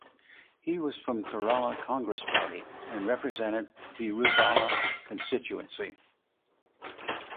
He was from Kerala Congress party and represented Thiruvalla constituency.